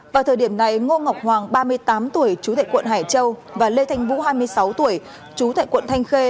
vào thời điểm này ngô ngọc hoàng ba mươi tám tuổi chú thệ quận hải châu và lê thanh vũ hai mươi sáu tuổi chú thệ quận thanh khê